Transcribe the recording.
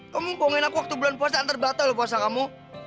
kamu bohongin aku waktu bulan puasa antar batal loh puasa kamu